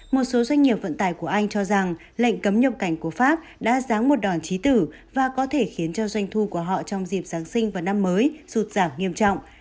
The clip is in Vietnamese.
một số doanh nghiệp vận tải của anh cho rằng lệnh cấm nhập cảnh của pháp đã ráng một đòn trí tử và có thể khiến cho doanh thu của họ trong dịp giáng sinh và năm mới sụt giảm nghiêm trọng